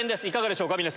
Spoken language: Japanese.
いかがでしょうか？